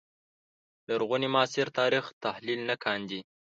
لرغوني معاصر تاریخ تحلیل نه کاندي